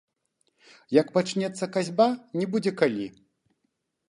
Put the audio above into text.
Як пачнецца касьба, не будзе калі.